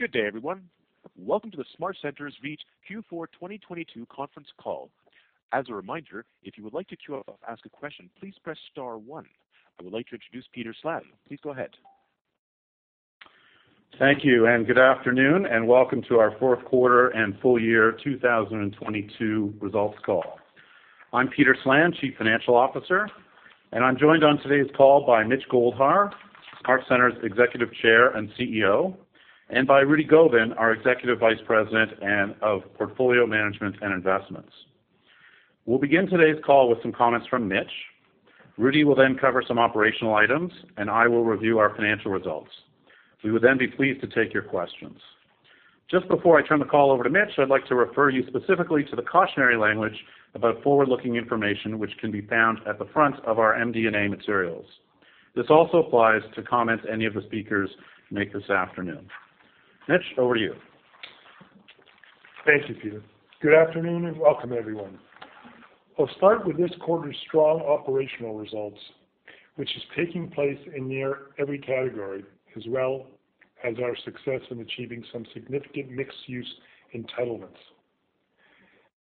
Good day, everyone. Welcome to the SmartCentres REIT Q4 2022 conference call. As a reminder, if you would like to queue up ask a question, please press star one. I would like to introduce Peter Slan. Please go ahead. Thank you. Good afternoon, and welcome to our fourth quarter and full year 2022 results call. I'm Peter Slan, Chief Financial Officer, and I'm joined on today's call by Mitchell Goldhar, SmartCentres Executive Chair and CEO, and by Rudy Gobin, our Executive Vice President of Portfolio Management and Investments. We'll begin today's call with some comments from Mitch. Rudy will cover some operational items, and I will review our financial results. We would be pleased to take your questions. Just before I turn the call over to Mitch, I'd like to refer you specifically to the cautionary language about forward-looking information, which can be found at the front of our MD&A materials. This also applies to comments any of the speakers make this afternoon. Mitch, over to you. Thank you, Peter. Good afternoon, and welcome everyone. I'll start with this quarter's strong operational results, which is taking place in near every category, as well as our success in achieving some significant mixed-use entitlements.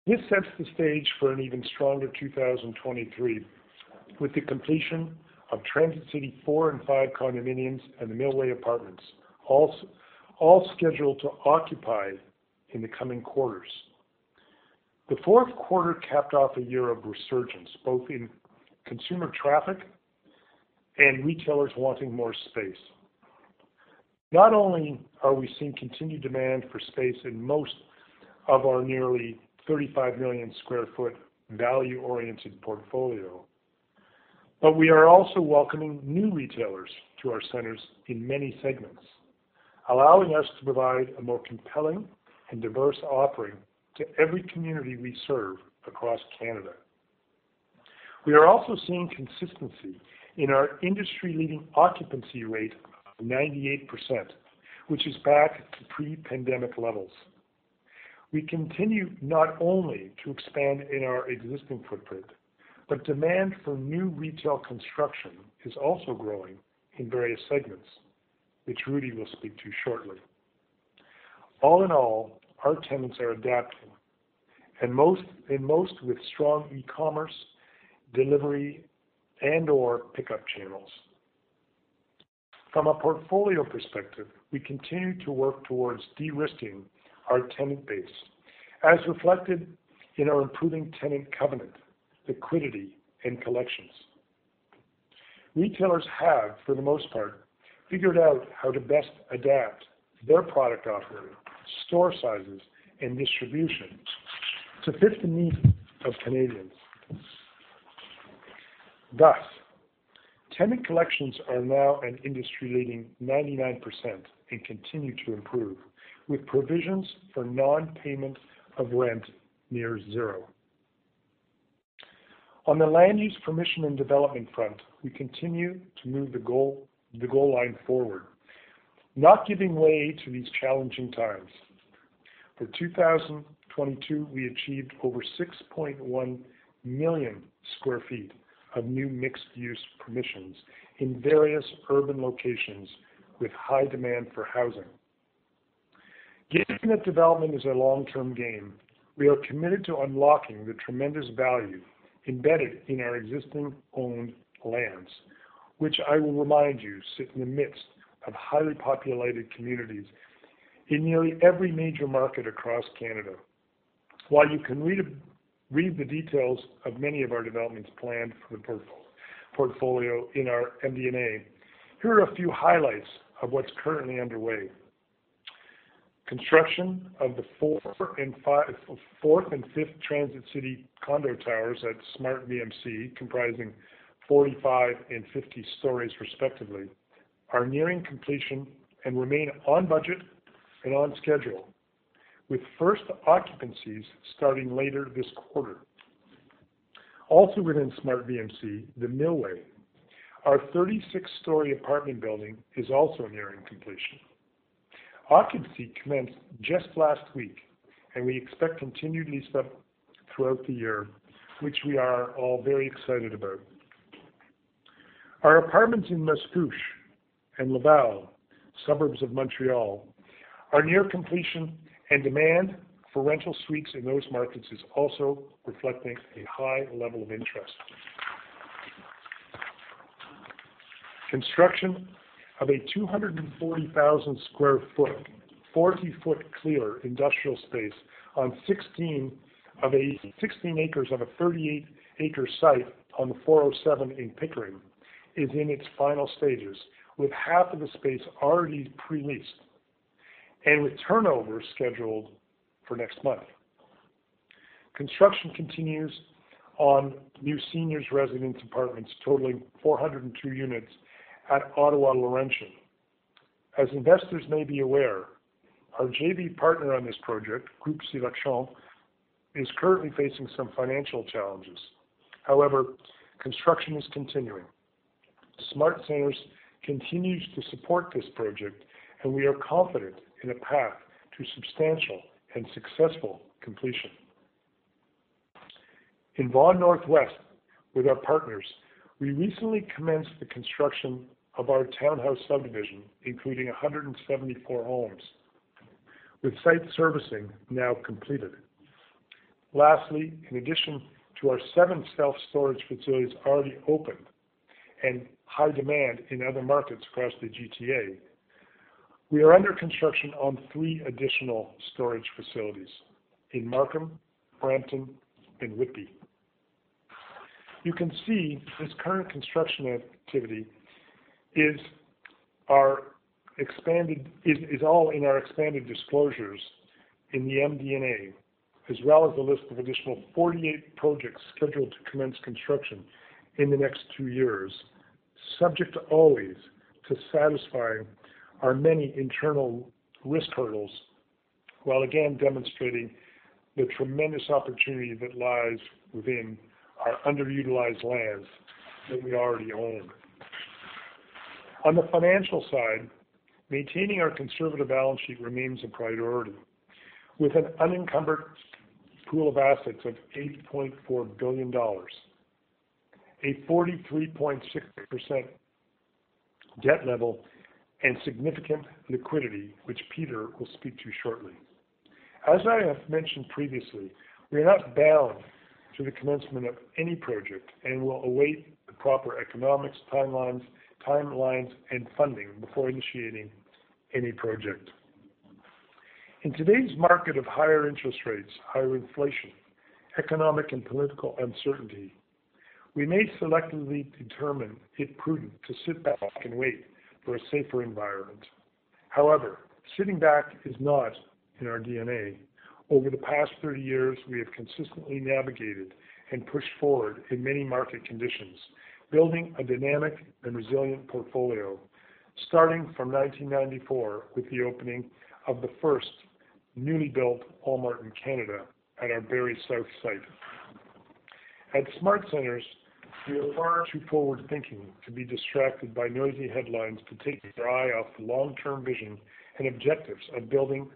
This sets the stage for an even stronger 2023, with the completion of Transit City 4 and 5 condominiums and The Millway Apartments, all scheduled to occupy in the coming quarters. The fourth quarter capped off a year of resurgence, both in consumer traffic and retailers wanting more space. Not only are we seeing continued demand for space in most of our nearly 35 million square foot value-oriented portfolio, but we are also welcoming new retailers to our centers in many segments, allowing us to provide a more compelling and diverse offering to every community we serve across Canada. We are also seeing consistency in our industry-leading occupancy rate of 98%, which is back to pre-pandemic levels. We continue not only to expand in our existing footprint, but demand for new retail construction is also growing in various segments, which Rudy will speak to shortly. All in all, our tenants are adapting, and most with strong e-commerce, delivery, and/or pickup channels. From a portfolio perspective, we continue to work towards de-risking our tenant base, as reflected in our improving tenant covenant, liquidity, and collections. Retailers have, for the most part, figured out how to best adapt their product offering, store sizes, and distribution to fit the needs of Canadians. Thus, tenant collections are now an industry-leading 99% and continue to improve, with provisions for non-payment of rent near zero. On the land use permission and development front, we continue to move the goal line forward, not giving way to these challenging times. For 2022, we achieved over 6.1 million sq ft of new mixed-use permissions in various urban locations with high demand for housing. Given that development is a long-term game, we are committed to unlocking the tremendous value embedded in our existing owned lands, which I will remind you sit in the midst of highly populated communities in nearly every major market across Canada. While you can read the details of many of our developments planned for the portfolio in our MD&A, here are a few highlights of what's currently underway. Construction of the fourth and fifth Transit City condo towers at SmartVMC, comprising 45 and 50 stories respectively, are nearing completion and remain on budget and on schedule, with first occupancies starting later this quarter. Also within SmartVMC, The Millway. Our 36-story apartment building is also nearing completion. Occupancy commenced just last week, and we expect continued lease up throughout the year, which we are all very excited about. Our apartments in Mascouche and Laval, suburbs of Montreal, are near completion, and demand for rental suites in those markets is also reflecting a high level of interest. Construction of a 240,000 sq ft, 40 foot clear industrial space on 16 acres of a 38 acre site on the 407 in Pickering is in its final stages, with half of the space already pre-leased and with turnover scheduled for next month. Construction continues on new seniors residence apartments totaling 402 units at Ottawa Laurentian. As investors may be aware, our JV partner on this project, Groupe Sélection, is currently facing some financial challenges. Construction is continuing. SmartCentres continues to support this project, and we are confident in a path to substantial and successful completion. In Vaughan Northwest, with our partners, we recently commenced the construction of our townhouse subdivision, including 174 homes, with site servicing now completed. Lastly, in addition to our 7 self-storage facilities already opened and high demand in other markets across the GTA, we are under construction on 3 additional storage facilities in Markham, Brampton, and Whitby. You can see this current construction activity is all in our expanded disclosures in the MD&A, as well as a list of additional 48 projects scheduled to commence construction in the next 2 years, subject always to satisfy our many internal risk hurdles, while again demonstrating the tremendous opportunity that lies within our underutilized lands that we already own. On the financial side, maintaining our conservative balance sheet remains a priority. With an unencumbered pool of assets of 8.4 billion dollars, a 43.6% debt level, and significant liquidity, which Peter will speak to shortly. As I have mentioned previously, we are not bound to the commencement of any project and will await the proper economics, timelines, and funding before initiating any project. In today's market of higher interest rates, higher inflation, economic and political uncertainty, we may selectively determine it prudent to sit back and wait for a safer environment. Sitting back is not in our DNA. Over the past 30 years, we have consistently navigated and pushed forward in many market conditions, building a dynamic and resilient portfolio starting from 1994 with the opening of the first newly built Walmart in Canada at our Barrie South site. At SmartCentres, we are far too forward-thinking to be distracted by noisy headlines to take your eye off the long-term vision and objectives of building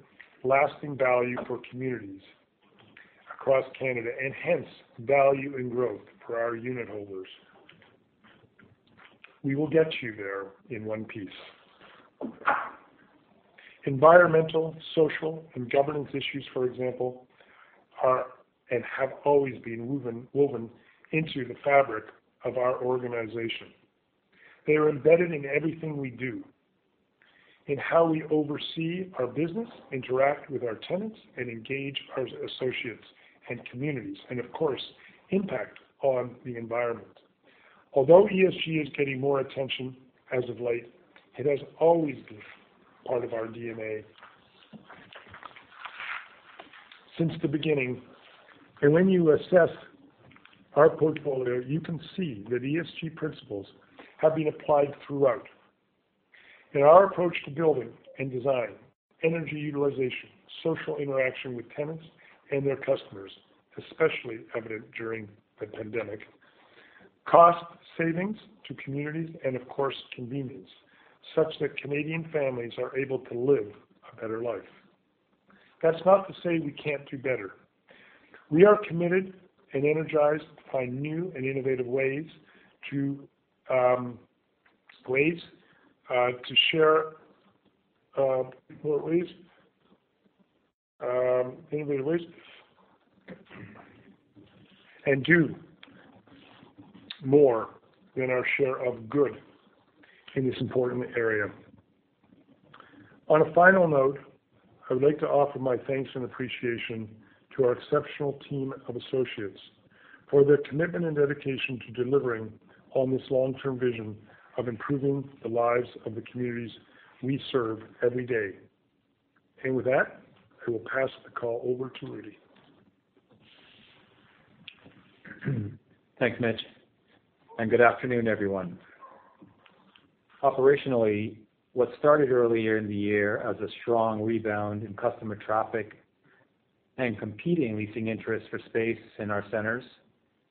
lasting value for communities across Canada, hence value and growth for our unitholders. We will get you there in 1 piece. Environmental, social, and governance issues, for example, are and have always been woven into the fabric of our organization. They are embedded in everything we do, in how we oversee our business, interact with our tenants, and engage our associates and communities, and of course, impact on the environment. Although ESG is getting more attention as of late, it has always been part of our DNA since the beginning. When you assess our portfolio, you can see that ESG principles have been applied throughout. In our approach to building and design, energy utilization, social interaction with tenants and their customers, especially evident during the pandemic, cost savings to communities, and of course, convenience, such that Canadian families are able to live a better life. That's not to say we can't do better. We are committed and energized to find new and innovative ways to share or innovative ways, and do more than our share of good in this important area. On a final note, I would like to offer my thanks and appreciation to our exceptional team of associates for their commitment and dedication to delivering on this long-term vision of improving the lives of the communities we serve every day. With that, I will pass the call over to Rudy. Thanks, Mitch. Good afternoon, everyone. Operationally, what started earlier in the year as a strong rebound in customer traffic and competing leasing interest for space in our centers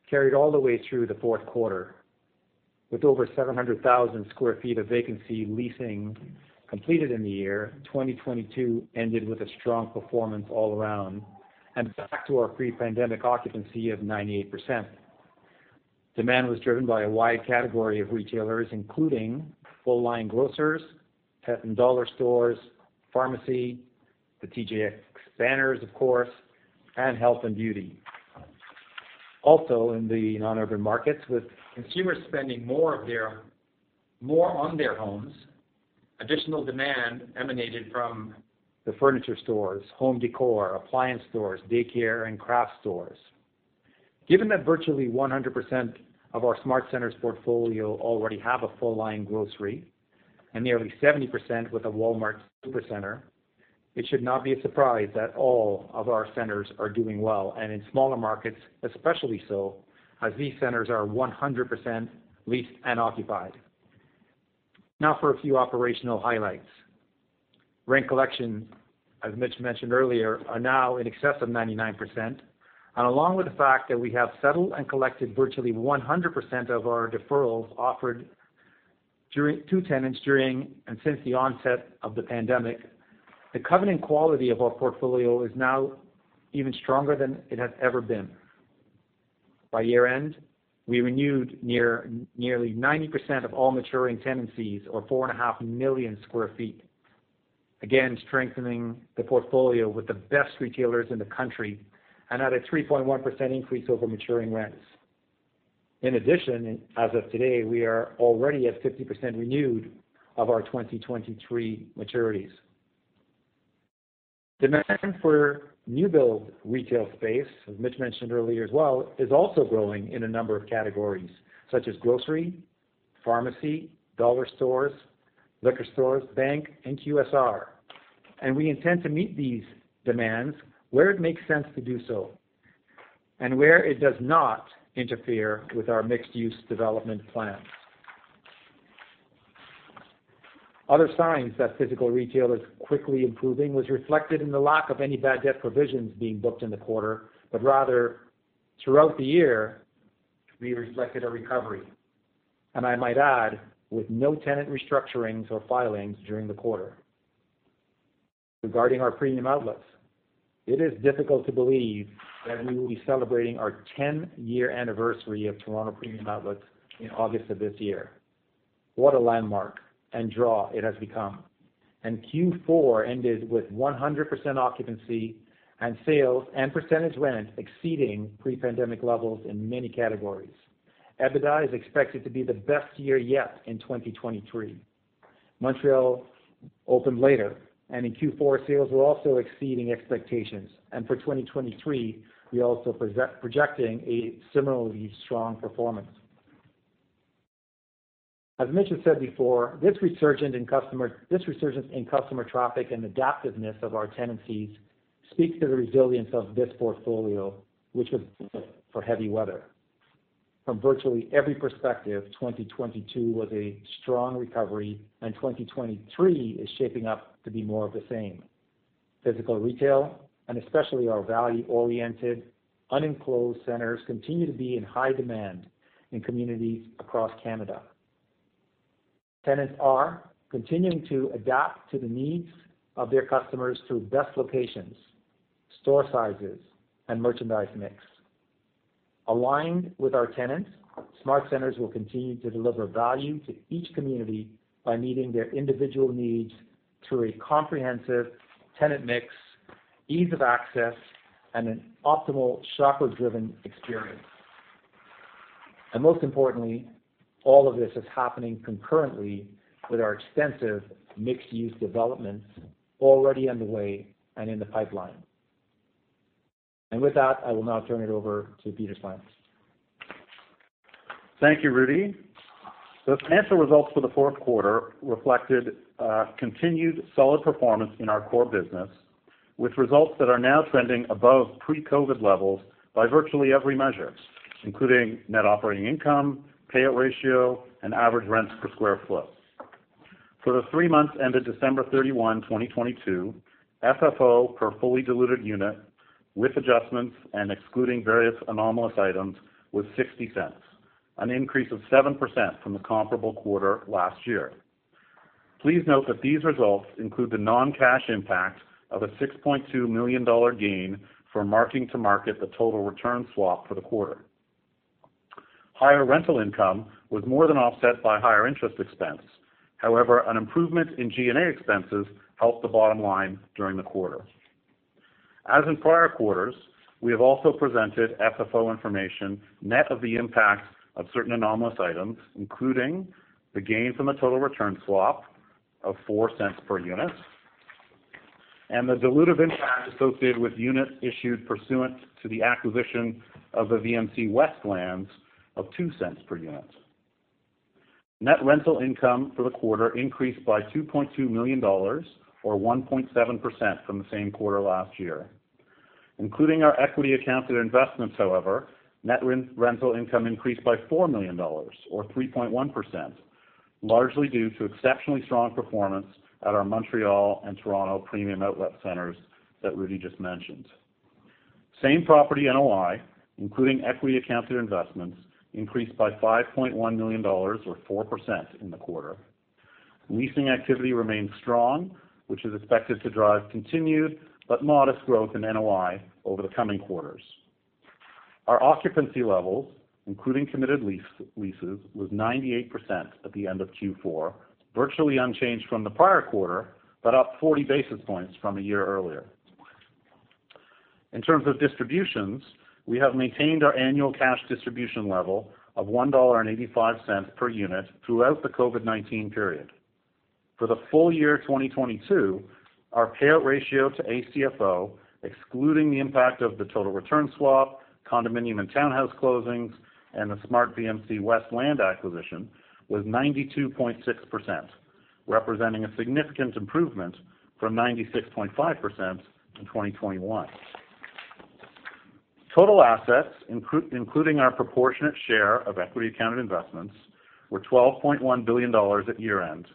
carried all the way through the fourth quarter. With over 700,000 sq ft of vacancy leasing completed in the year, 2022 ended with a strong performance all around and back to our pre-pandemic occupancy of 98%. Demand was driven by a wide category of retailers, including full-line grocers, pet and dollar stores, pharmacy, the TJX banners, of course, and health and beauty. Also in the non-urban markets, with consumers spending more on their homes, additional demand emanated from the furniture stores, home decor, appliance stores, daycare, and craft stores. Given that virtually 100% of our SmartCentres portfolio already have a full-line grocery and nearly 70% with a Walmart Supercentre, it should not be a surprise that all of our centers are doing well. In smaller markets, especially so as these centers are 100% leased and occupied. Now for a few operational highlights. Rent collection, as Mitch mentioned earlier, are now in excess of 99%. Along with the fact that we have settled and collected virtually 100% of our deferrals to tenants during and since the onset of the pandemic, the covenant quality of our portfolio is now even stronger than it has ever been. By year-end, we renewed nearly 90% of all maturing tenancies or 4.5 million sq ft. Strengthening the portfolio with the best retailers in the country and at a 3.1% increase over maturing rents. As of today, we are already at 50% renewed of our 2023 maturities. Demand for new build retail space, as Mitch mentioned earlier as well, is also growing in a number of categories such as grocery, pharmacy, dollar stores, liquor stores, bank, and QSR. We intend to meet these demands where it makes sense to do so and where it does not interfere with our mixed-use development plans. Other signs that physical retail is quickly improving was reflected in the lack of any bad debt provisions being booked in the quarter, but rather throughout the year, we reflected a recovery, and I might add, with no tenant restructurings or filings during the quarter. Regarding our premium outlets, it is difficult to believe that we will be celebrating our 10-year anniversary of Toronto Premium Outlets in August of this year. What a landmark and draw it has become. Q4 ended with 100% occupancy and sales and percentage rent exceeding pre-pandemic levels in many categories. EBITDA is expected to be the best year yet in 2023. Montreal opened later, in Q4, sales were also exceeding expectations. For 2023, we're also projecting a similarly strong performance. As Mitch has said before, this resurgence in customer traffic and adaptiveness of our tenancies speaks to the resilience of this portfolio, which was for heavy weather. From virtually every perspective, 2022 was a strong recovery, and 2023 is shaping up to be more of the same. Physical retail, and especially our value-oriented, unenclosed centers, continue to be in high demand in communities across Canada. Tenants are continuing to adapt to the needs of their customers through best locations, store sizes, and merchandise mix. Aligned with our tenants, SmartCentres will continue to deliver value to each community by meeting their individual needs through a comprehensive tenant mix, ease of access, and an optimal shopper-driven experience. Most importantly, all of this is happening concurrently with our extensive mixed-use developments already underway and in the pipeline. With that, I will now turn it over to Peter Slan. Thank you, Rudy. The financial results for the fourth quarter reflected, continued solid performance in our core business, with results that are now trending above pre-COVID levels by virtually every measure, including net operating income, payout ratio, and average rents per square foot. For the 3 months ended December 31, 2022, FFO per fully diluted unit with adjustments and excluding various anomalous items was $0.60, an increase of 7% from the comparable quarter last year. Please note that these results include the non-cash impact of a $6.2 million gain for marking to market the total return swap for the quarter. Higher rental income was more than offset by higher interest expense. An improvement in G&A expenses helped the bottom line during the quarter. As in prior quarters, we have also presented FFO information net of the impact of certain anomalous items, including the gain from the total return swap of 0.04 per unit, and the dilutive impact associated with units issued pursuant to the acquisition of the VMC West lands of 0.02 per unit. Net rental income for the quarter increased by 2.2 million dollars or 1.7% from the same quarter last year. Including our equity accounted investments, however, net rental income increased by 4 million dollars or 3.1%, largely due to exceptionally strong performance at our Montreal and Toronto premium outlet centers that Rudy just mentioned. Same property NOI, including equity accounted investments, increased by 5.1 million dollars or 4% in the quarter. Leasing activity remains strong, which is expected to drive continued but modest growth in NOI over the coming quarters. Our occupancy levels, including committed leases, was 98% at the end of Q4, virtually unchanged from the prior quarter, but up 40 basis points from a year earlier. In terms of distributions, we have maintained our annual cash distribution level of 1.85 dollar per unit throughout the COVID-19 period. For the full year 2022, our payout ratio to ACFO, excluding the impact of the total return swap, condominium and townhouse closings, and the SmartVMC West land acquisition was 92.6%, representing a significant improvement from 96.5% in 2021. Total assets, including our proportionate share of equity accounted investments, were 12.1 billion dollars at year-end,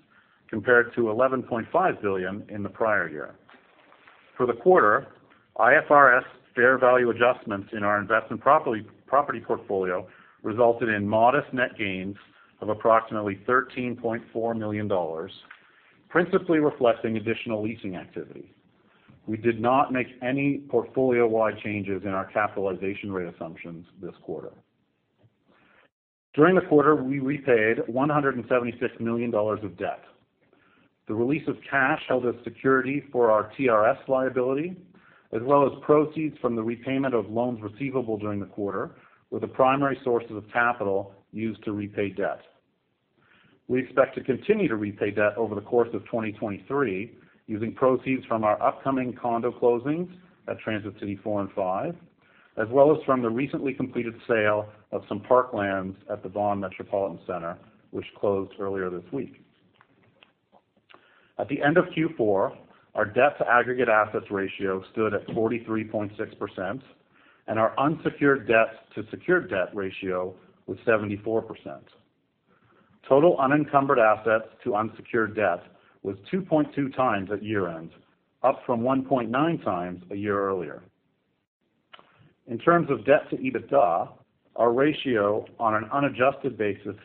compared to 11.5 billion in the prior year. For the quarter, IFRS fair value adjustments in our investment property portfolio resulted in modest net gains of approximately 13.4 million dollars, principally reflecting additional leasing activity. We did not make any portfolio-wide changes in our capitalization rate assumptions this quarter. During the quarter, we repaid 176 million dollars of debt. The release of cash held as security for our TRS liability, as well as proceeds from the repayment of loans receivable during the quarter, were the primary sources of capital used to repay debt. We expect to continue to repay debt over the course of 2023 using proceeds from our upcoming condo closings at Transit City 4 and 5, as well as from the recently completed sale of some park lands at the Vaughan Metropolitan Center, which closed earlier this week. At the end of Q4, our debt-to-aggregate assets ratio stood at 43.6%, and our unsecured debt to secured debt ratio was 74%. Total unencumbered assets to unsecured debt was 2.2 times at year-end, up from 1.9 times a year earlier. In terms of debt to EBITDA, our ratio on an adjusted basis,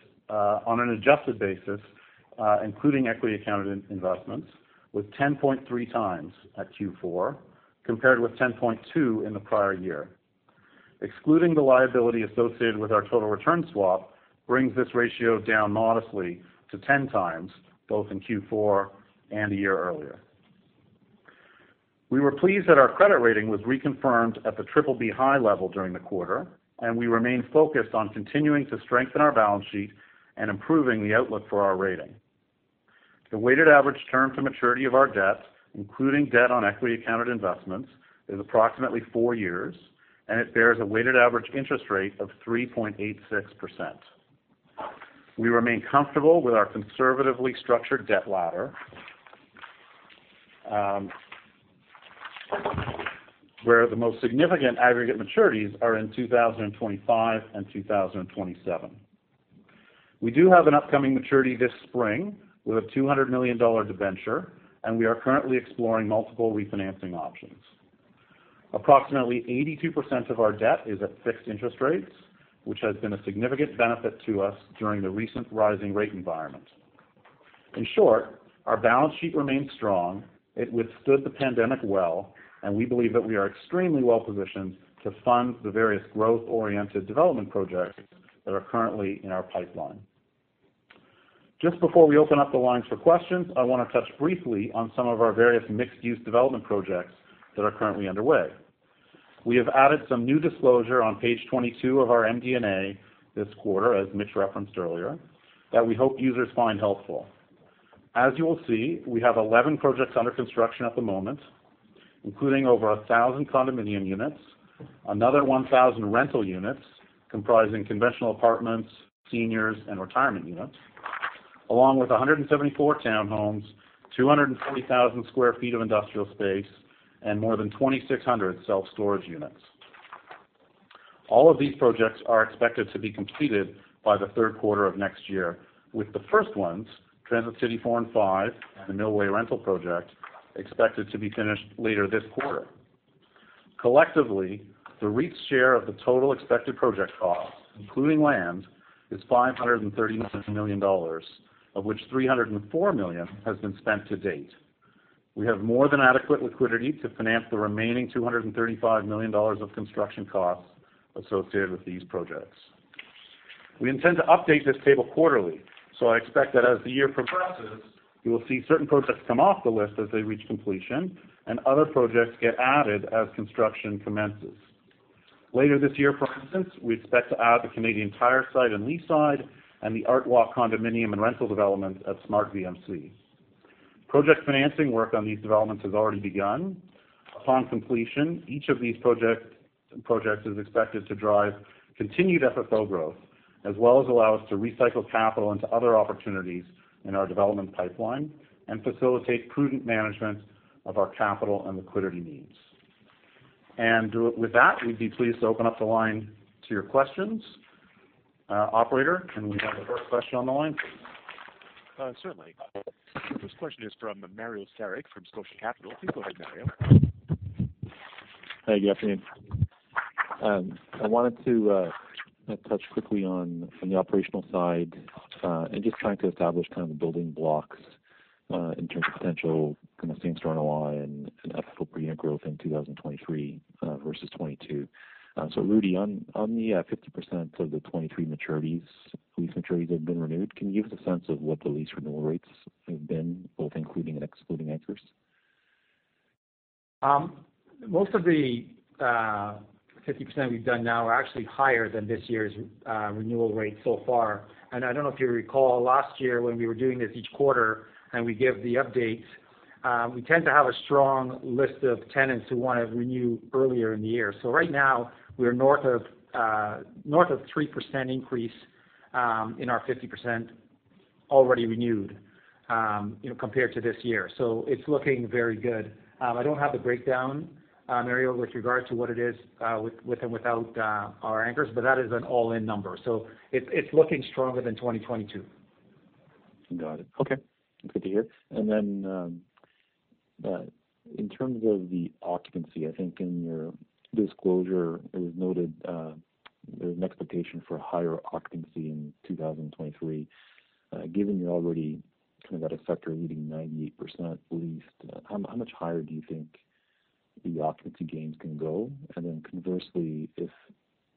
including equity accounted investments, was 10.3 times at Q4, compared with 10.2 in the prior year. Excluding the liability associated with our total return swap brings this ratio down modestly to 10 times, both in Q4 and a year earlier. We were pleased that our credit rating was reconfirmed at the triple B high level during the quarter, and we remain focused on continuing to strengthen our balance sheet and improving the outlook for our rating. The weighted average term to maturity of our debt, including debt on equity accounted investments, is approximately 4 years, and it bears a weighted average interest rate of 3.86%. We remain comfortable with our conservatively structured debt ladder, where the most significant aggregate maturities are in 2025 and 2027. We do have an upcoming maturity this spring with a 200 million dollar debenture, and we are currently exploring multiple refinancing options. Approximately 82% of our debt is at fixed interest rates, which has been a significant benefit to us during the recent rising rate environment. In short, our balance sheet remains strong. It withstood the pandemic well, and we believe that we are extremely well positioned to fund the various growth-oriented development projects that are currently in our pipeline. Just before we open up the lines for questions, I wanna touch briefly on some of our various mixed-use development projects that are currently underway. We have added some new disclosure on page 22 of our MD&A this quarter, as Mitch referenced earlier, that we hope users find helpful. As you will see, we have 11 projects under construction at the moment, including over 1,000 condominium units, another 1,000 rental units comprising conventional apartments, seniors, and retirement units, along with 174 townhomes, 240,000 sq ft of industrial space, and more than 2,600 self-storage units. All of these projects are expected to be completed by the third quarter of next year, with the first ones, Transit City 4 and 5, and The Millway rental project, expected to be finished later this quarter. Collectively, the REIT's share of the total expected project costs, including land, is $530 million, of which $304 million has been spent to date. We have more than adequate liquidity to finance the remaining $235 million of construction costs associated with these projects. We intend to update this table quarterly, so I expect that as the year progresses, you will see certain projects come off the list as they reach completion and other projects get added as construction commences. Later this year, for instance, we expect to add the Canadian Tire site in Leaside and the ArtWalk condominium and rental development at SmartVMC. Project financing work on these developments has already begun. Upon completion, each of these projects is expected to drive continued FFO growth, as well as allow us to recycle capital into other opportunities in our development pipeline and facilitate prudent management of our capital and liquidity needs. With that, we'd be pleased to open up the line to your questions. Operator, can we have the first question on the line, please? Certainly. The first question is from Mario Saric from Scotia Capital. Please go ahead, Mario. Hi, good afternoon. I wanted to kinda touch quickly on the operational side and just trying to establish kind of the building blocks in terms of potential kinda same-store NOI and FFO per unit growth in 2023 versus 22. Rudy, on the 50% of the 23 maturities, lease maturities that have been renewed, can you give us a sense of what the lease renewal rates have been, both including and excluding anchors? Most of the 50% we've done now are actually higher than this year's renewal rate so far. I don't know if you recall, last year when we were doing this each quarter and we gave the updates, we tend to have a strong list of tenants who wanna renew earlier in the year. Right now, we are north of 3% increase in our 50% already renewed, you know, compared to this year. It's looking very good. I don't have the breakdown, Mario, with regards to what it is with and without our anchors, but that is an all-in number. It's looking stronger than 2022. Got it. Okay, good to hear. In terms of the occupancy, I think in your disclosure, it was noted, there's an expectation for higher occupancy in 2023. Given you already kind of got a sector leading 98% leased, how much higher do you think the occupancy gains can go? Conversely, if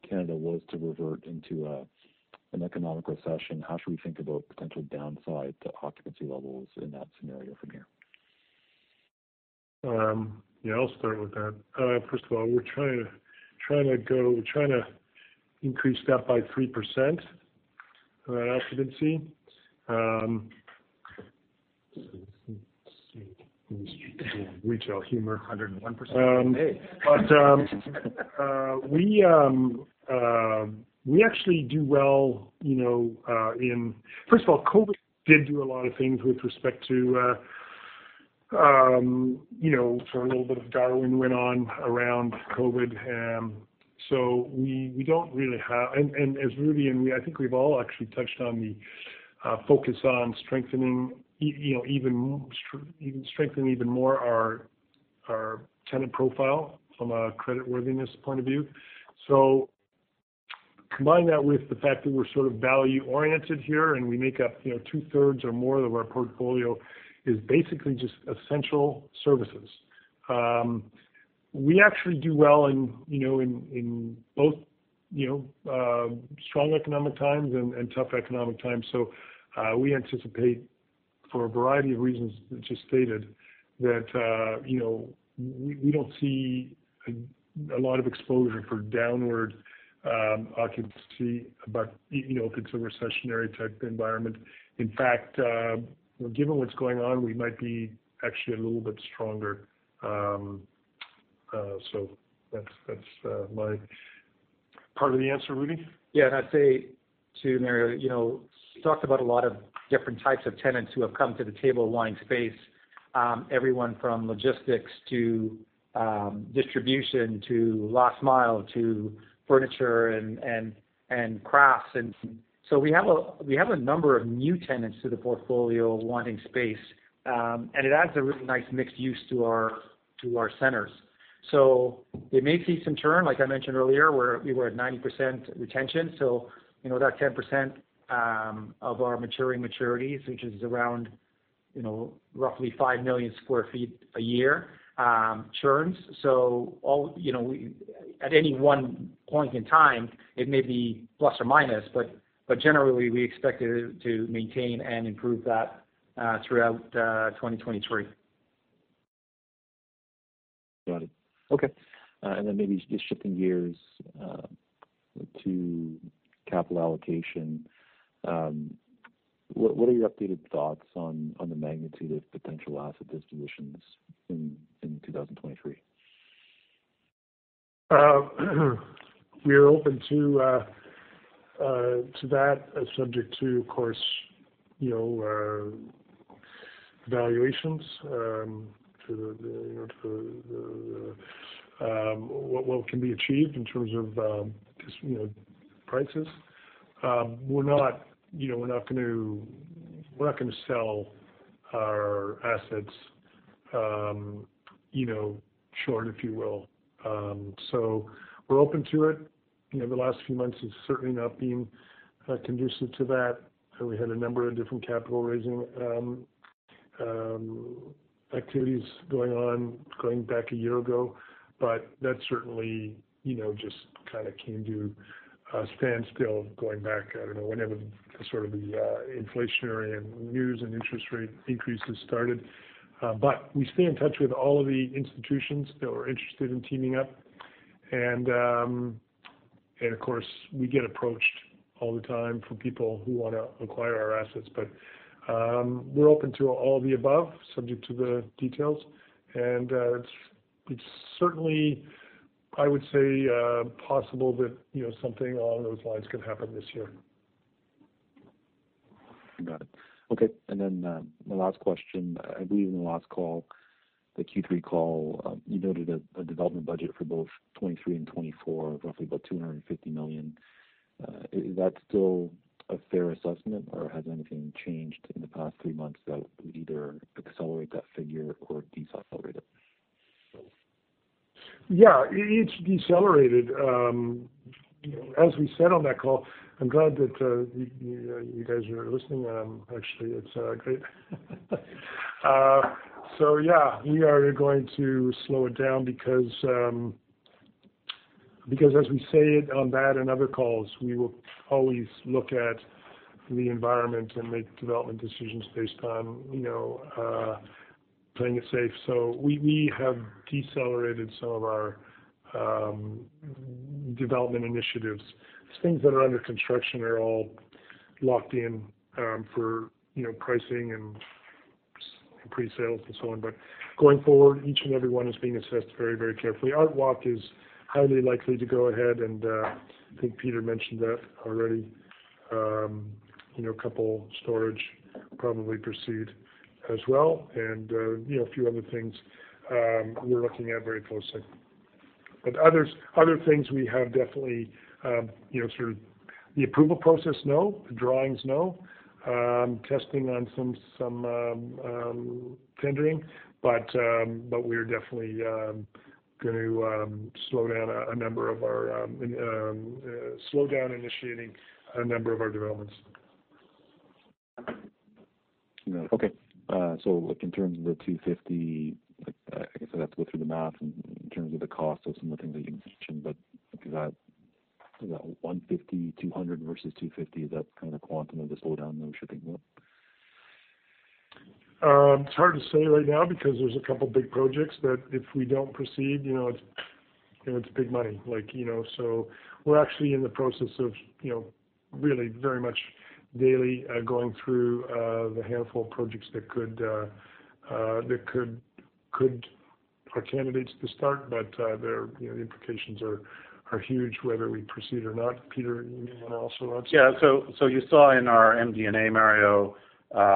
Canada was to revert into an economic recession, how should we think about potential downside to occupancy levels in that scenario from here? Yeah, I'll start with that. First of all, we're trying to increase that by 3% occupancy. Let's see. Retail humor. 101%. Hey. We actually do well, you know, in. First of all, COVID did do a lot of things with respect to, you know, so a little bit of Darwin went on around COVID. We don't really have. As Rudy Gobin and we, I think we've all actually touched on the focus on strengthening you know, even strengthening even more our tenant profile from a creditworthiness point of view. Combine that with the fact that we're sort of value-oriented here, and we make up, you know, 2-thirds or more of our portfolio is basically just essential services. We actually do well in, you know, in both, you know, strong economic times and tough economic times. We anticipate for a variety of reasons just stated that, you know, we don't see a lot of exposure for downward occupancy about, you know, if it's a recessionary type environment. In fact, given what's going on, we might be actually a little bit stronger. That's my part of the answer. Rudy? Yeah. I'd say too, Mario, you know, talked about a lot of different types of tenants who have come to the table wanting space, everyone from logistics to distribution to last mile to furniture and crafts. We have a number of new tenants to the portfolio wanting space, and it adds a really nice mixed use to our centers. They may see some churn, like I mentioned earlier, where we were at 90% retention. You know, that 10% of our maturing maturities, which is around, you know, roughly 5 million sq ft a year, churns. You know, at any one point in time, it may be plus or minus, but generally we expect it to maintain and improve that throughout 2023. Got it. Okay. Then maybe just shifting gears to capital allocation. What are your updated thoughts on the magnitude of potential asset distributions in 2023? We are open to that as subject to, of course, you know, valuations, to the, you know, to the, what can be achieved in terms of, just, you know, prices. We're not, you know, we're not gonna sell our assets, you know, short, if you will. We're open to it. You know, the last few months has certainly not been conducive to that. We had a number of different capital raising activities going on going back 1 year ago. That certainly, you know, just kind of came to a standstill going back, I don't know, whenever sort of the inflationary and news and interest rate increases started. We stay in touch with all of the institutions that were interested in teaming up. Of course, we get approached all the time from people who wanna acquire our assets. We're open to all the above, subject to the details. It's certainly, I would say, possible that, you know, something along those lines could happen this year. Got it. Okay. My last question. I believe in the last call, the Q3 call, you noted a development budget for both 2023 and 2024 of roughly about 250 million. Is that still a fair assessment, or has anything changed in the past 3 months that would either accelerate that figure or decelerate it? Yeah, it's decelerated. As we said on that call, I'm glad that you guys are listening. Actually, it's great. Yeah, we are going to slow it down because as we say it on that and other calls, we will always look at the environment and make development decisions based on, you know, playing it safe. We have decelerated some of our development initiatives. Things that are under construction are all locked in for, you know, pricing and pre-sales and so on. Going forward, each and every one is being assessed very, very carefully. ArtWalk is highly likely to go ahead, and I think Peter mentioned that already. You know, couple storage probably proceed as well and, you know, a few other things we're looking at very closely. Other things we have definitely, you know, sort of the approval process know, the drawings know, testing on some tendering. We're definitely going to slow down initiating a number of our developments. Okay. like in terms of the 250, like, I guess I'd have to go through the math in terms of the cost of some of the things that you mentioned, but like is that, is that 150, 200 versus 250, is that kind of the quantum of the slowdown that we should be seeing? It's hard to say right now because there's a couple big projects that if we don't proceed, it's big money. Like, you know, so we're actually in the process of, you know, really very much daily, going through the handful of projects that could are candidates to start. They're, you know, the implications are huge whether we proceed or not. Peter, you may wanna also answer. You saw in our MD&A, Mario,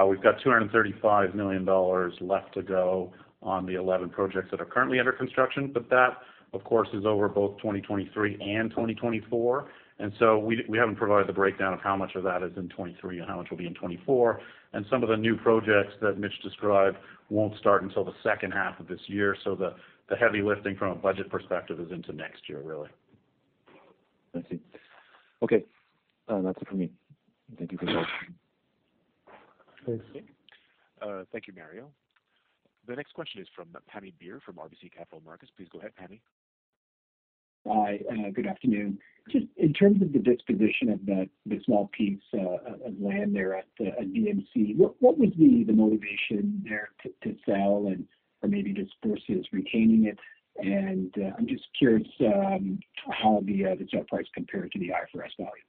we've got 235 million dollars left to go on the 11 projects that are currently under construction. That, of course, is over both 2023 and 2024. We haven't provided the breakdown of how much of that is in 2023 and how much will be in 2024. Some of the new projects that Mitch described won't start until the second half of this year. The heavy lifting from a budget perspective is into next year, really. I see. Okay. That's it for me. Thank you for your help. Thanks. Thank you, Mario. The next question is from Pammi Bir from RBC Capital Markets. Please go ahead, Pammi. Hi, good afternoon. Just in terms of the disposition of that, the small piece of land there at VMC, what was the motivation there to sell or maybe just versus retaining it? I'm just curious how the sale price compared to the IFRS value.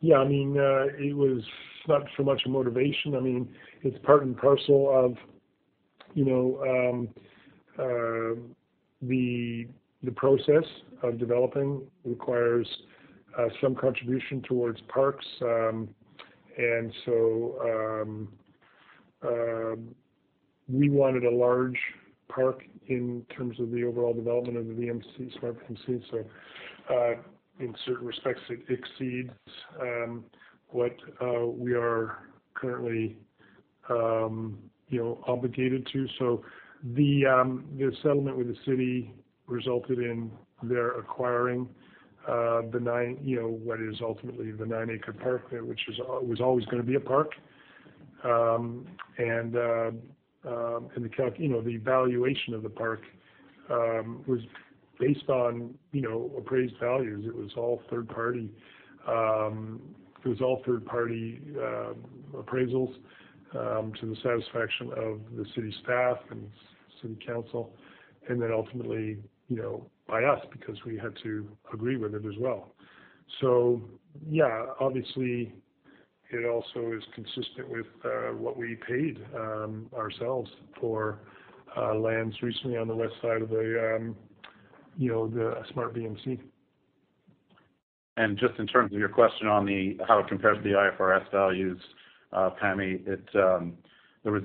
Yeah, I mean, it was not so much a motivation. I mean, it's part and parcel of, you know, the process of developing requires some contribution towards parks. We wanted a large park in terms of the overall development of the SmartVMC. In certain respects, it exceeds what we are currently, you know, obligated to. The settlement with the city resulted in their acquiring the 9, you know, what is ultimately the 9-acre park there, which was always gonna be a park. You know, the valuation of the park was based on, you know, appraised values. It was all third party. It was all third party appraisals to the satisfaction of the city staff and city council, and then ultimately, you know, by us because we had to agree with it as well. Yeah, obviously it also is consistent with what we paid ourselves for lands recently on the west side of the, you know, the SmartVMC. Just in terms of your question on the, how it compares to the IFRS values, Pammi, it, there was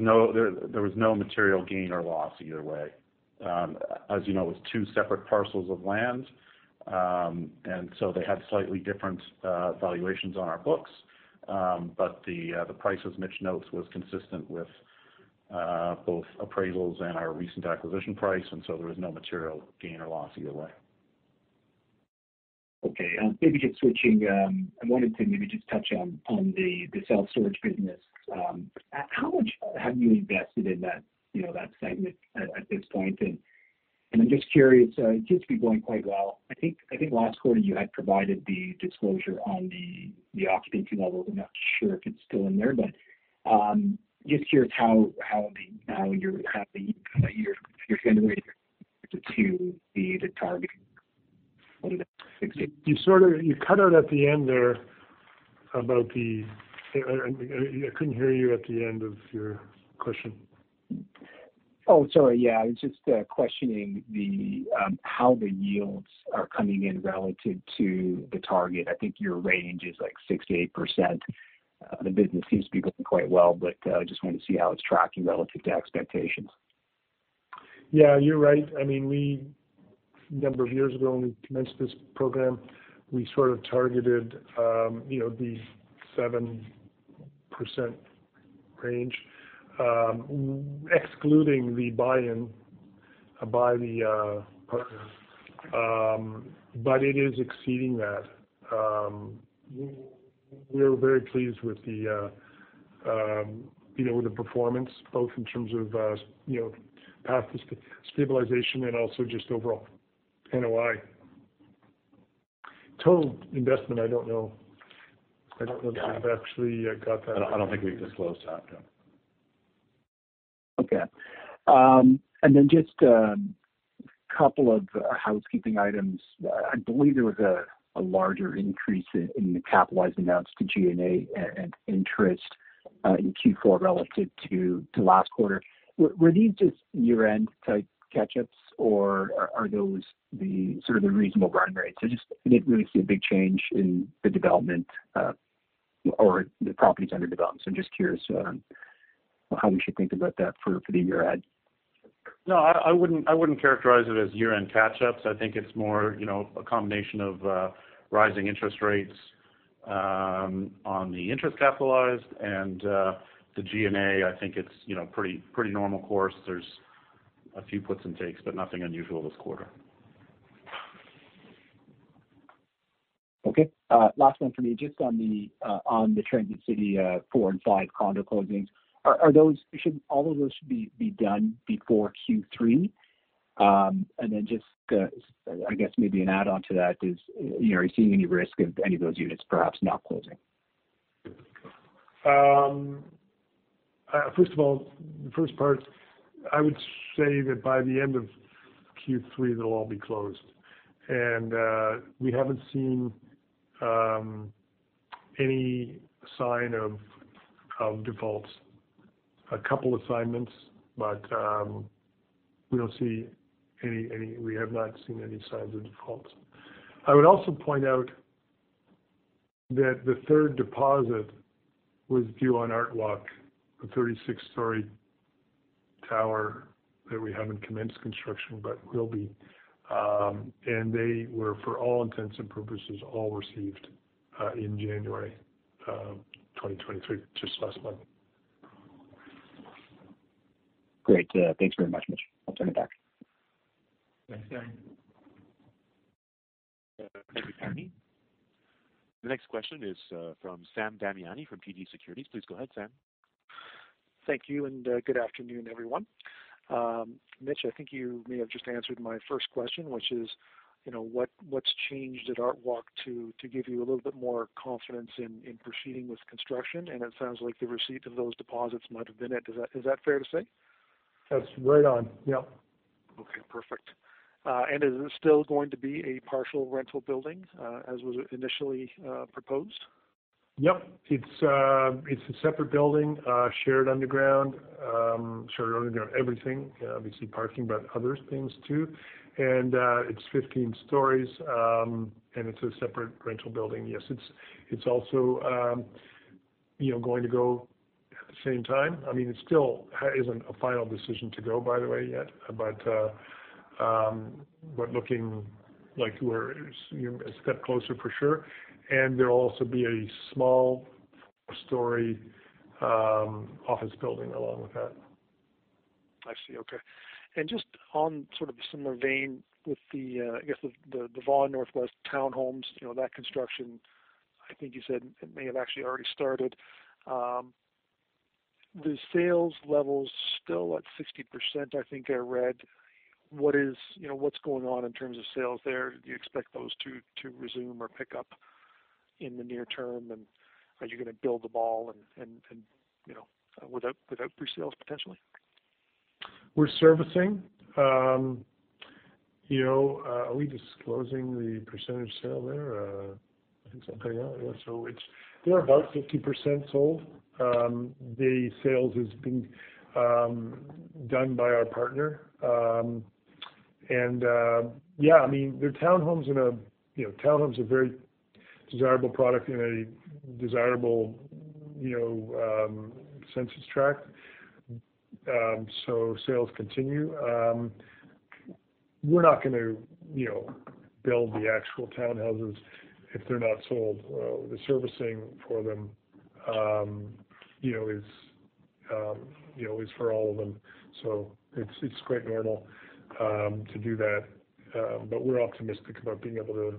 no material gain or loss either way. As you know, it was 2 separate parcels of land. They had slightly different valuations on our books. The price, as Mitch notes, was consistent with both appraisals and our recent acquisition price, and so there was no material gain or loss either way. Okay. Maybe just switching, I wanted to maybe just touch on the self-storage business. How much have you invested in that, you know, that segment at this point? I'm just curious, it seems to be going quite well. I think last quarter you had provided the disclosure on the occupancy levels. I'm not sure if it's still in there, but, just curious how you're generating to the target. You cut out at the end there about the. I couldn't hear you at the end of your question. Oh, sorry. Yeah, I was just questioning the how the yields are coming in relative to the target. I think your range is like 6%-8%. The business seems to be going quite well, but just wanted to see how it's tracking relative to expectations. You're right. I mean, we, a number of years ago when we commenced this program, we sort of targeted, you know, the 7% range, excluding the buy-in by the partner. It is exceeding that. We're very pleased with the, you know, the performance both in terms of, you know, path to stabilization and also just overall NOI. Total investment, I don't know. I don't know if we've actually got that. I don't think we've disclosed that, no. Okay. Just a couple of housekeeping items. I believe there was a larger increase in the capitalized amounts to G&A and interest in Q4 relative to last quarter. Were these just year-end type catch-ups or are those the sort of the reasonable run rates? I just didn't really see a big change in the development or the properties under development, so I'm just curious. how we should think about that for the year ahead. No, I wouldn't characterize it as year-end catch-ups. I think it's more, you know, a combination of rising interest rates on the interest capitalized and the G&A, I think it's, you know, pretty normal course. There's a few puts and takes, but nothing unusual this quarter. Okay. Last one for me. Just on the Transit City 4 and 5 condo closings. Should all of those be done before Q3? Just, I guess maybe an add-on to that is, you know, are you seeing any risk of any of those units perhaps not closing? First of all, the first part, I would say that by the end of Q3, they'll all be closed. We haven't seen any sign of defaults. A couple assignments, but we have not seen any signs of defaults. I would also point out that the third deposit was due on ArtWalk, the 36-story tower that we haven't commenced construction, but will be. They were, for all intents and purposes, all received in January 2023, just last month. Great. thanks very much, Mitch. I'll turn it back. Thanks, Pammi. Thank you, Pammi. The next question is from Sam Damiani from TD Securities. Please go ahead, Sam. Thank you, and good afternoon, everyone. Mitch, I think you may have just answered my first question, which is, you know, what's changed at ArtWalk to give you a little bit more confidence in proceeding with construction? It sounds like the receipt of those deposits might have been it. Is that fair to say? That's right on. Yep. Okay, perfect. Is it still going to be a partial rental building, as was initially, proposed? Yep. It's a separate building, shared underground, shared underground everything, obviously parking, but other things, too. It's 15 stories, and it's a separate rental building. Yes. It's also, you know, going to go at the same time. I mean, it still isn't a final decision to go, by the way, yet, but we're looking like we're, you know, a step closer for sure. There'll also be a small four-story office building along with that. I see. Okay. Just on sort of a similar vein with the, I guess the Vaughan Northwest townhomes, you know, that construction, I think you said it may have actually already started. The sales level's still at 60%, I think I read. What is, you know, what's going on in terms of sales there? Do you expect those to resume or pick up in the near term? Are you gonna build them all and, you know, without presales potentially? We're servicing. You know, are we disclosing the percentage sale there? I think so. Yeah. They're about 50% sold. The sales is being done by our partner. Yeah, I mean, they're townhomes in a, you know, townhomes are a very desirable product in a desirable, you know, census tract. Sales continue. We're not gonna, you know, build the actual townhouses if they're not sold. The servicing for them, you know, is, you know, is for all of them. It's quite normal to do that. We're optimistic about being able to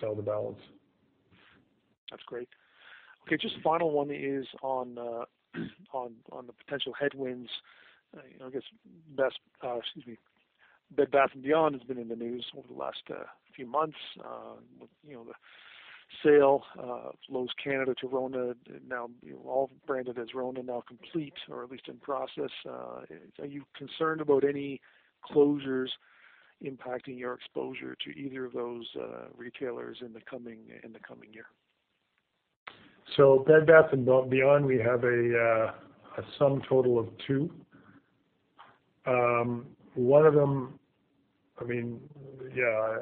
sell the balance. That's great. Okay. Just final one is on the potential headwinds. You know, I guess, Bed Bath & Beyond has been in the news over the last few months. You know, the sale of Lowe's Canada to RONA now all branded as RONA now complete or at least in process. Are you concerned about any closures impacting your exposure to either of those retailers in the coming year? Bed Bath & Beyond, we have a sum total of 2. One of them, I mean, yeah,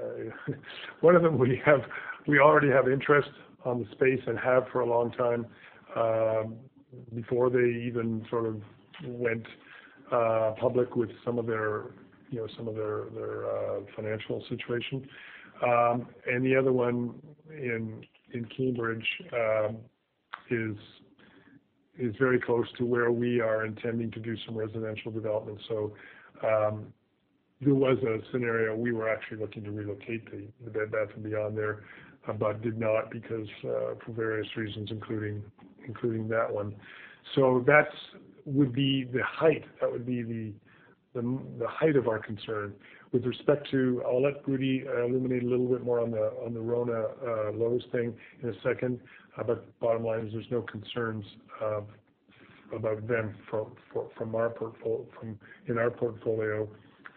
one of them we already have interest on the space and have for a long time, before they even sort of went public with some of their, you know, some of their financial situation. And the other one in Cambridge is very close to where we are intending to do some residential development. There was a scenario we were actually looking to relocate the Bed Bath & Beyond there, but did not because for various reasons, including that one. That's would be the height, that would be the height of our concern. With respect to, I'll let Rudy illuminate a little bit more on the, on the RONA, Lowe's thing in a second. Bottom line is there's no concerns about them from our portfolio.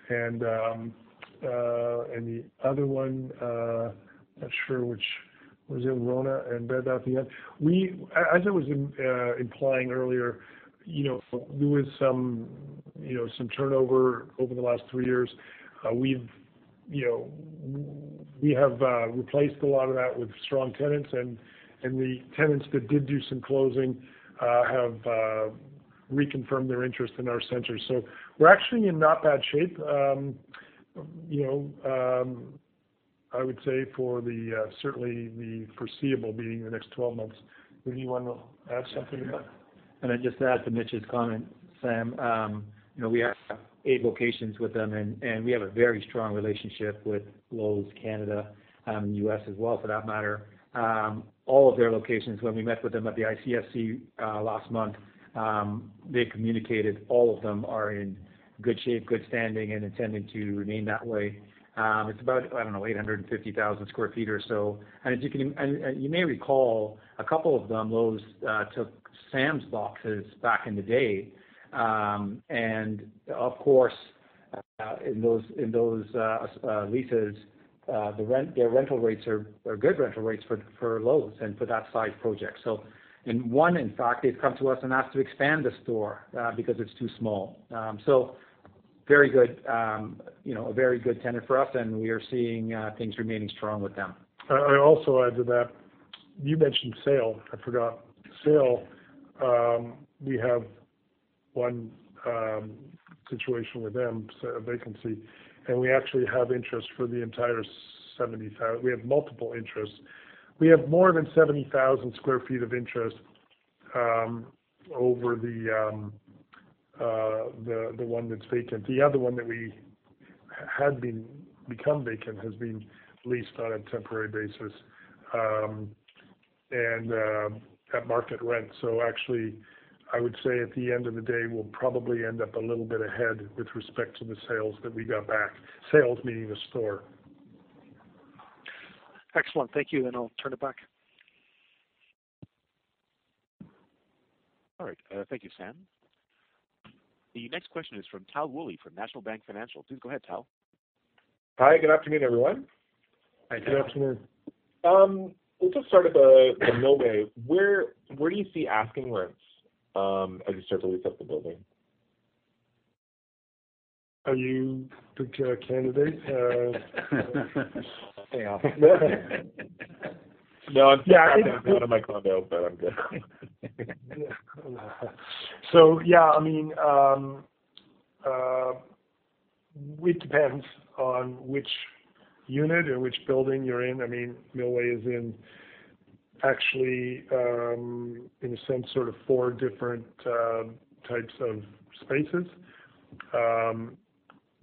The other one, not sure which was in RONA and Bed Bath & Beyond. As I was implying earlier, you know, there was some, you know, some turnover over the last 3 years. we've you know, we have replaced a lot of that with strong tenants, and the tenants that did do some closing have reconfirmed their interest in our centers. We're actually in not bad shape. I would say for the certainly the foreseeable, meaning the next 12 months. Would you want to add something to that? Just to add to Mitch's comment, Sam, you know, we have 8 locations with them, and we have a very strong relationship with Lowe's Canada, U.S. as well for that matter. All of their locations, when we met with them at the ICSC last month, they communicated all of them are in good shape, good standing and intending to remain that way. It's about, I don't know, 850,000 sq ft or so. If you may recall, a couple of them, Lowe's took Sam's Club boxes back in the day. Of course, in those leases, the rent, their rental rates are good rental rates for Lowe's and for that size project. In one, in fact, they've come to us and asked to expand the store, because it's too small. Very good, you know, a very good tenant for us, and we are seeing things remaining strong with them. I also add to that. You mentioned SAIL. I forgot. SAIL, we have 1 situation with them, so a vacancy, and we actually have interest for the entire. We have multiple interests. We have more than 70,000 sq ft of interest over the 1 that's vacant. The other one that we had become vacant has been leased on a temporary basis, and at market rent. Actually I would say at the end of the day, we'll probably end up a little bit ahead with respect to the sales that we got back. Sales meaning the store. Excellent. Thank you. I'll turn it back. All right. Thank you, Sam. The next question is from Tal Woolley from National Bank Financial. Please go ahead, Tal. Hi, good afternoon, everyone. Good afternoon. We'll just start with The Millway. Where do you see asking rents as you start to lease up the building? Are you the candidate? Hang on. No, it's out of my condo, but I'm good. Yeah, I mean, it depends on which unit or which building you're in. I mean, The Millway is in actually, in a sense, sort of 4 different types of spaces.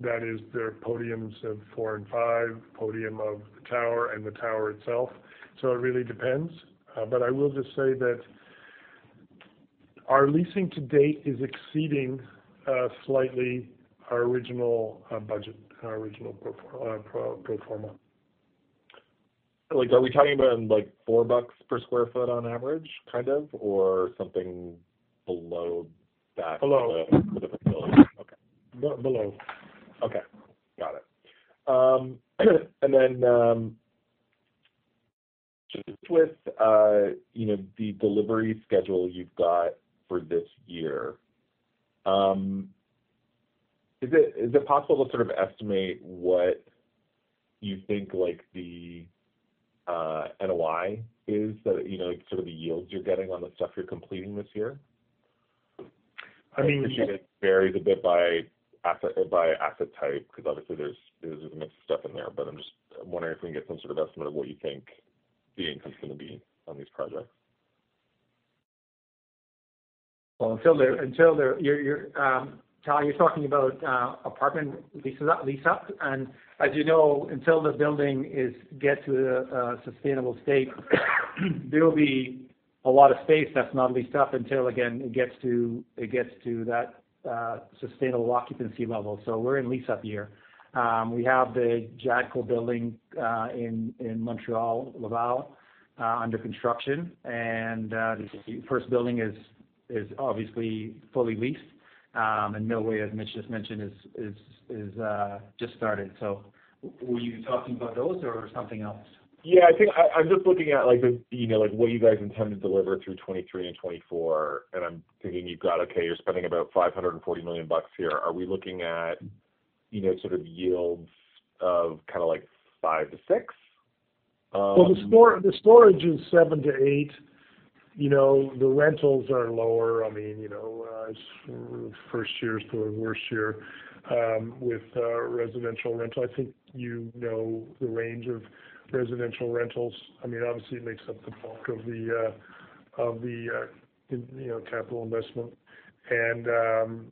That is their podiums of 4 and 5, podium of the tower and the tower itself. It really depends. I will just say that our leasing to date is exceeding slightly our original budget, our original pro forma. Like, are we talking about, like, 4 bucks per sq ft on average, kind of? Or something below that? Below. For the facility. Okay. Be-below. Okay. Got it. Then, just with, you know, the delivery schedule you've got for this year, is it possible to sort of estimate what you think like the NOI is that, you know, like sort of the yields you're getting on the stuff you're completing this year? I mean. I appreciate it varies a bit by asset, by asset type because obviously there's a mix of stuff in there, but I'm just wondering if we can get some sort of estimate of what you think the income's going to be on these projects? Well, until they're. You're Tal, you're talking about apartment leases, lease up. As you know, until the building is get to a sustainable state, there will be a lot of space that's not leased up until, again, it gets to that sustainable occupancy level. We're in lease-up year. We have the Jadco building in Montreal, Laval under construction. The first building is obviously fully leased. The Millway, as Mitch just mentioned, is just started. Were you talking about those or something else? Yeah, I think I'm just looking at like the, you know, like what you guys intend to deliver through 2023 and 2024. I'm thinking you've got, okay, you're spending about 540 million bucks here. Are we looking at, you know, sort of yields of kind of like 5%-6%? Well, the storage is 7-8. You know, the rentals are lower. I mean, you know, first year is the worst year with residential rental. I think you know the range of residential rentals. I mean, obviously, it makes up the bulk of the capital investment. The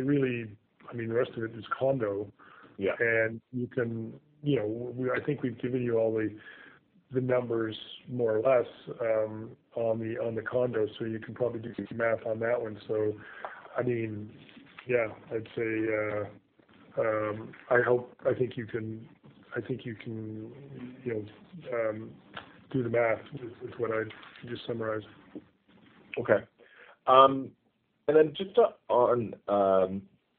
really, I mean, the rest of it is condo. Yeah. You can, you know, I think we've given you all the numbers more or less, on the, on the condo, so you can probably do the math on that one. I mean, yeah, I'd say, I think you can, I think you can, you know, do the math with what I just summarized. Okay. Just on,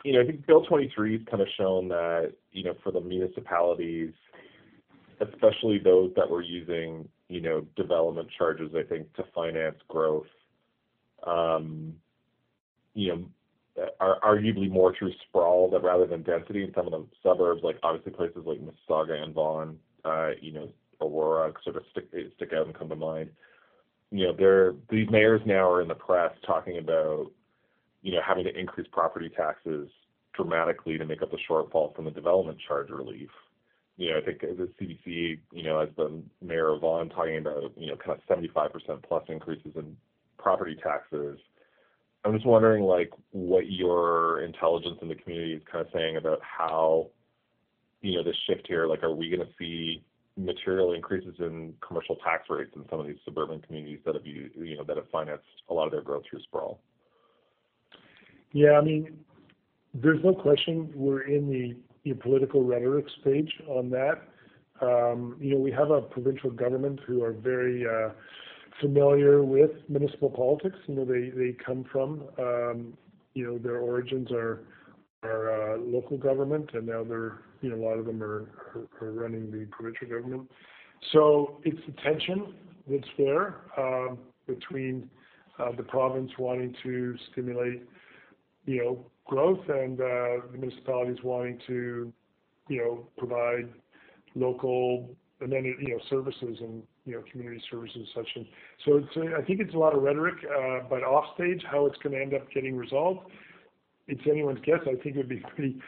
I think Bill 23 has kind of shown that for the municipalities, especially those that were using development charges, I think, to finance growth. Arguably more through sprawl rather than density in some of the suburbs, like obviously places like Mississauga and Vaughan, Aurora sort of stick out and come to mind. These mayors now are in the press talking about having to increase property taxes dramatically to make up the shortfall from the development charge relief. I think the CBC as the mayor of Vaughan talking about kind of 75%+ increases in property taxes. I'm just wondering, like, what your intelligence in the community is kind of saying about how, you know, the shift here, like, are we gonna see material increases in commercial tax rates in some of these suburban communities that have been, you know, that have financed a lot of their growth through sprawl? Yeah. I mean, there's no question we're in the political rhetorics page on that. you know, we have a provincial government who are very familiar with municipal politics, you know, they come from, you know, their origins are local government, and now they're, you know, a lot of them are running the provincial government. It's a tension that's there between the province wanting to stimulate, you know, growth and the municipalities wanting to provide local services and, you know, community services such as. It's I think it's a lot of rhetoric, but off stage, how it's gonna end up getting resolved, it's anyone's guess. I think it would be pretty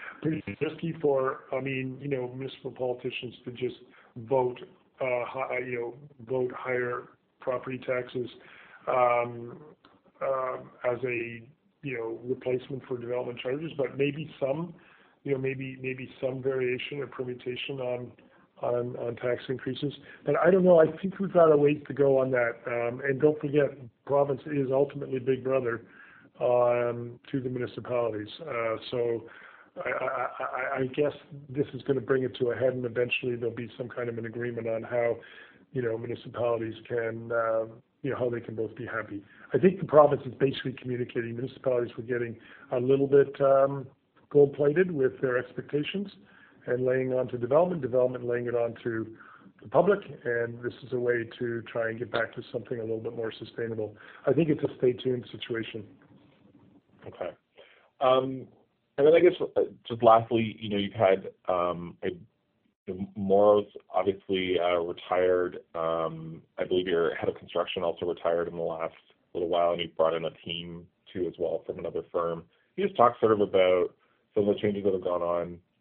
risky for, I mean, you know, municipal politicians to just vote, you know, vote higher property taxes as a, you know, replacement for development charges. Maybe some, you know, maybe some variation or permutation on tax increases. I don't know. I think we've got a ways to go on that. Don't forget, province is ultimately big brother to the municipalities. I guess this is gonna bring it to a head, and eventually there'll be some kind of an agreement on how, you know, municipalities can, you know, how they can both be happy. I think the province is basically communicating municipalities were getting a little bit gold-plated with their expectations and laying on to development laying it on to the public, and this is a way to try and get back to something a little bit more sustainable. I think it's a stay tuned situation. Okay. I guess, just lastly, you know, you've had, you know, Mauro obviously retired, I believe your head of construction also retired in the last little while, and you've brought in a team too as well from another firm. Can you just talk sort of about some of the changes that have gone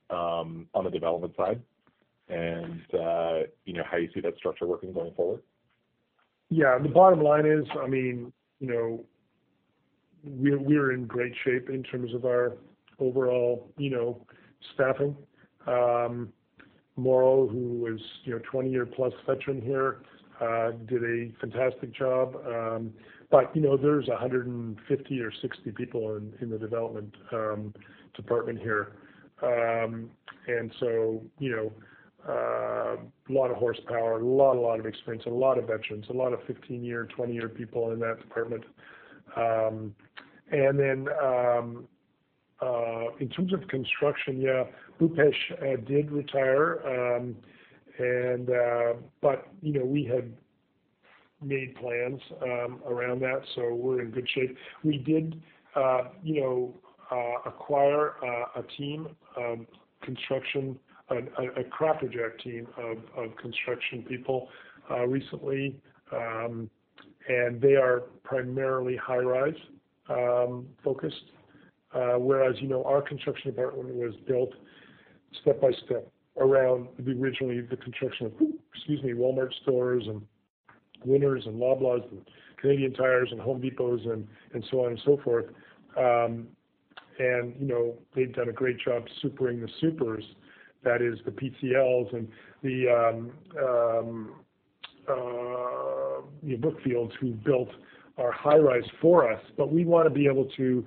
on the development side and, you know, how you see that structure working going forward? Yeah. The bottom line is, I mean, you know, we are in great shape in terms of our overall, you know, staffing. Mauro, who was, you know, 20-year plus veteran here, did a fantastic job. You know, there's 150 or 60 people in the development department here. You know, a lot of horsepower, a lot of experience, a lot of veterans, a lot of 15-year, 20-year people in that department. In terms of construction, yeah, Bhupesh did retire. You know, we had made plans around that, we're in good shape. We did, you know, acquire a team, a CRAFT project team of construction people recently. They are primarily high-rise focused, whereas, you know, our construction department was built step-by-step around originally the construction of, excuse me, Walmart stores and Winners and Loblaws and Canadian Tires and The Home Depots and so on and so forth. You know, they've done a great job supering the supers. That is the PCLs and the, you know, Brookfield who built our high-rise for us. We wanna be able to, you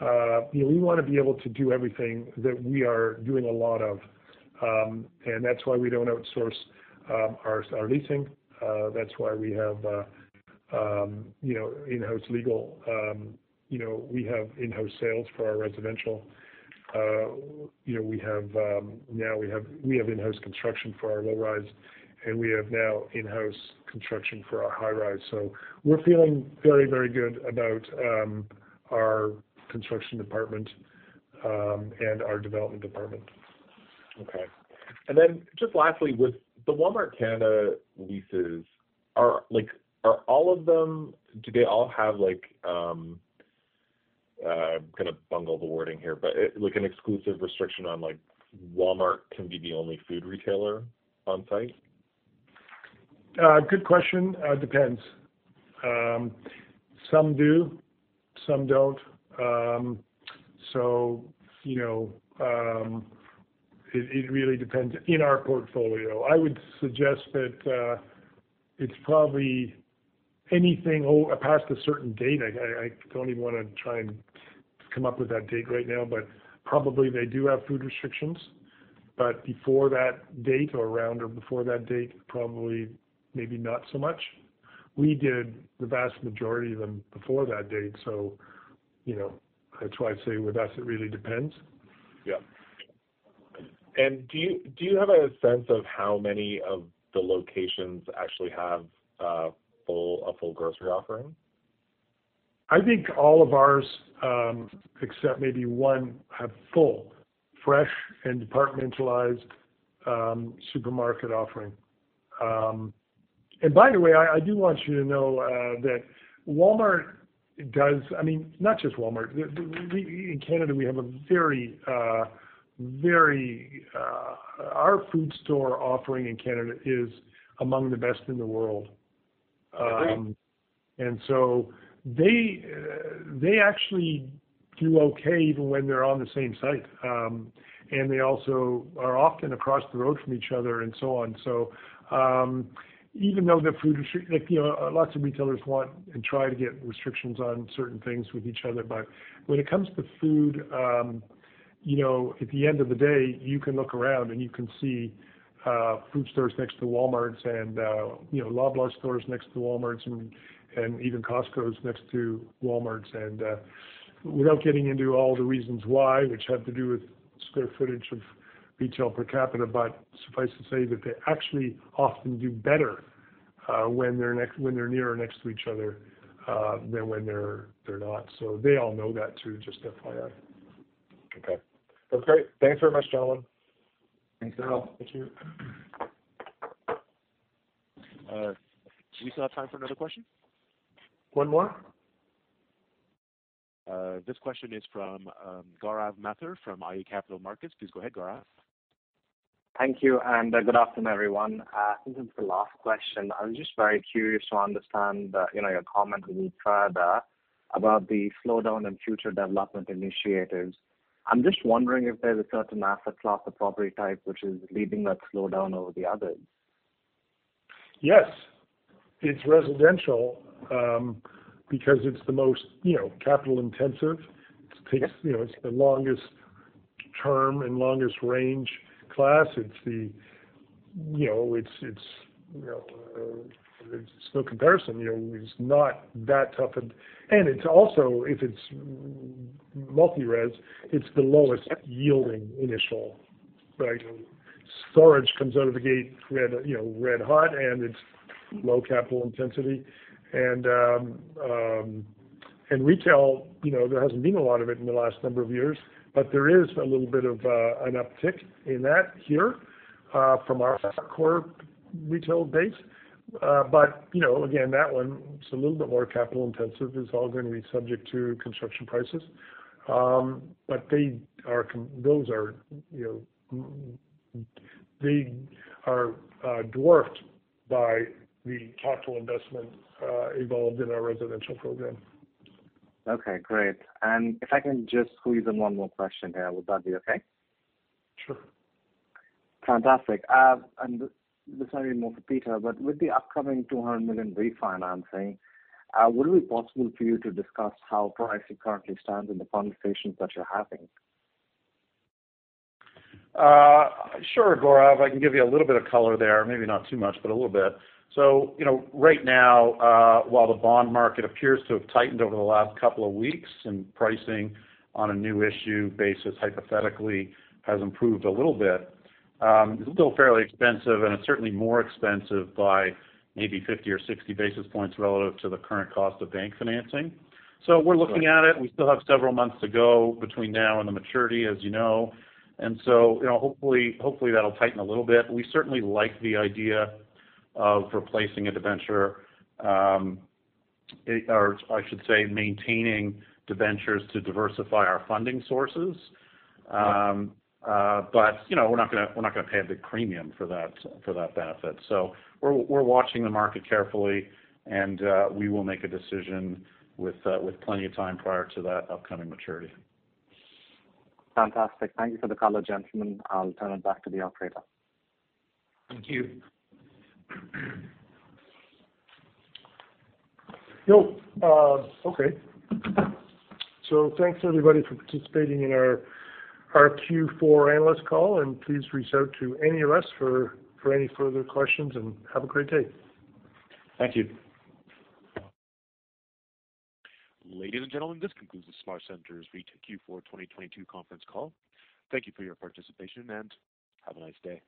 know, we wanna be able to do everything that we are doing a lot of, and that's why we don't outsource our leasing. That's why we have, you know, in-house legal. You know, we have in-house sales for our residential. You know, we have, now we have in-house construction for our low-rise, and we have now in-house construction for our high-rise. We're feeling very, very good about our construction department, and our development department. Okay. Just lastly, with the Walmart Canada leases, Do they all have like, I'm gonna bungle the wording here, but, like an exclusive restriction on, like, Walmart can be the only food retailer on site? Good question. Depends. Some do, some don't. You know, it really depends in our portfolio. I would suggest that it's probably anything past a certain date. I don't even wanna try and come up with that date right now, but probably they do have food restrictions. Before that date, or around or before that date, probably, maybe not so much. We did the vast majority of them before that date. You know, that's why I'd say with us, it really depends. Yeah. Do you have a sense of how many of the locations actually have a full grocery offering? I think all of ours, except maybe 1 have full fresh and departmentalized supermarket offering. By the way, I do want you to know that Walmart does... I mean, not just Walmart. In Canada, we have a very, very, our food store offering in Canada is among the best in the world. Agreed. They actually do okay even when they're on the same site. They also are often across the road from each other and so on. Even though the food like, you know, lots of retailers want and try to get restrictions on certain things with each other. When it comes to food, you know, at the end of the day, you can look around and you can see, food stores next to Walmarts and, you know, Loblaw stores next to Walmarts and even Costcos next to Walmarts. Without getting into all the reasons why, which have to do with square footage of retail per capita. Suffice to say that they actually often do better, when they're near or next to each other, than when they're not. They all know that too, just FYI. Okay. That's great. Thanks very much, gentlemen. Thanks, Daryl. Thank you. Do we still have time for another question? One more. This question is from Gaurav Mathur from iA Capital Markets. Please go ahead, Gaurav. Thank you and good afternoon, everyone. This is the last question. I'm just very curious to understand, you know, your comment a little further about the slowdown in future development initiatives. I'm just wondering if there's a certain asset class or property type which is leading that slowdown over the others. Yes. It's residential, because it's the most, you know, capital intensive. You know, it's the longest term and longest range class. You know, it's, you know, there's no comparison. You know, it's not that tough. It's also, if it's multi-res, it's the lowest yielding initial, right? Storage comes out of the gate red, you know, red-hot, and it's low capital intensity. Retail, you know, there hasn't been a lot of it in the last number of years, but there is a little bit of an uptick in that here from our core retail base. You know, again, that one's a little bit more capital intensive. It's all gonna be subject to construction prices. They are those are, you know... They are dwarfed by the capital investment involved in our residential program. Okay, great. If I can just squeeze in 1 more question here, would that be okay? Sure. Fantastic. This may be more for Peter, but with the upcoming 200 million refinancing, would it be possible for you to discuss how pricing currently stands in the conversations that you're having? Sure, Gaurav. I can give you a little bit of color there. Maybe not too much, but a little bit. You know, right now, while the bond market appears to have tightened over the last couple of weeks and pricing on a new issue basis hypothetically has improved a little bit, it's still fairly expensive and it's certainly more expensive by maybe 50 or 60 basis points relative to the current cost of bank financing. We're looking at it. We still have several months to go between now and the maturity, as you know. You know, hopefully that'll tighten a little bit. We certainly like the idea of replacing a debenture, or I should say maintaining debentures to diversify our funding sources. You know, we're not gonna, we're not gonna pay a big premium for that, for that benefit. We're, we're watching the market carefully, and we will make a decision with plenty of time prior to that upcoming maturity. Fantastic. Thank you for the color, gentlemen. I'll turn it back to the operator. Thank you. Yo, okay. Thanks, everybody, for participating in our Q4 analyst call, and please reach out to any of us for any further questions, and have a great day. Thank you. Ladies and gentlemen, this concludes the SmartCentres REIT Q4 2022 conference call. Thank you for your participation and have a nice day.